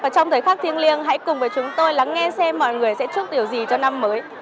trong thời khắc thiêng liêng hãy cùng với chúng tôi lắng nghe xem mọi người sẽ chúc điều gì cho năm mới